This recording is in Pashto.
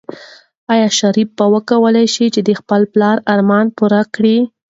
آیا شریف به وکولی شي چې د خپل پلار ارمان پوره کړي؟